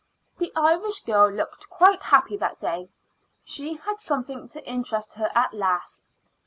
The Irish girl looked quite happy that day; she had something to interest her at last.